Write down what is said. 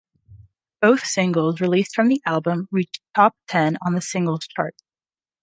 Both singles released from the album reached top-ten on the singles chart.